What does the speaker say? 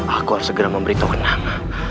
aku harus segera memberitahu nang